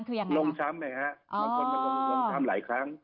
เมื่อคนลงช้ำหลายครั้ง